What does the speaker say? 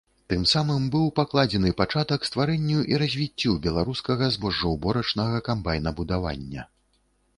Тым самым быў пакладзены пачатак стварэнню і развіццю беларускага збожжаўборачнага камбайнабудавання.